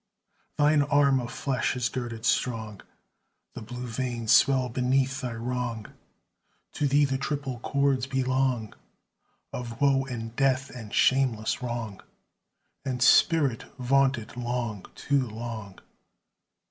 Thine arm of flesh is girded strong; The blue veins swell beneath thy wrong; To thee the triple cords belong Of woe and death and shameless wrong, And spirit vaunted long, too long!